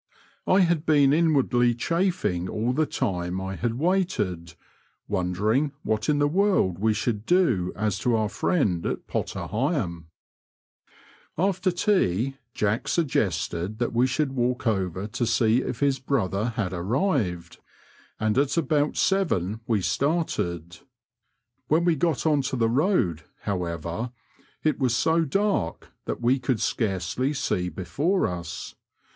I had been inwardly chafing all the time I had waited, wondering what in the world we should do as to our friend at Potter Heigham, After tea Jack suggested that we should walk over to see if his brother had arrived, and at about seven we started. When we got on to the road, however, it was so dark that we could scarcely see before us.